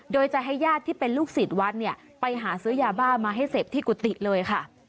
โดยจะให้ญาติที่เป็นลูกศิษย์วัดเนี่ยไปหาซื้อยาบ้ามาให้เสพที่กุฏิเลยค่ะ